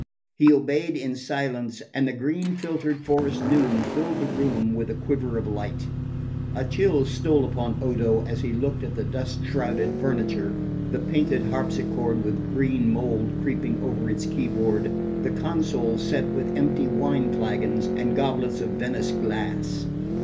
He obeyed in silence, and the green filtered forest noon filled the room with a quiver of light. A chill stole upon Odo as he looked at the dust shrouded furniture, the painted harpsichord with green mould creeping over its keyboard, the consoles set with empty wine flagons and goblets of Venice glass.